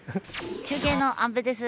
中継の安部です。